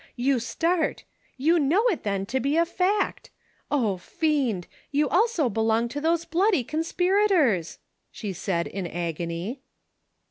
You start ! You know it, then, to be a fact ! O, fiend ! you also belong to those bloody conspirator's !" she said, in agony.